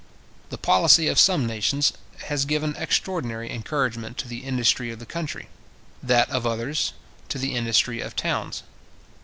The policy of some nations has given extraordinary encouragement to the industry of the country; that of others to the industry of towns.